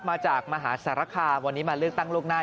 มาจากมหาสารคามวันนี้มาเลือกตั้งล่วงหน้า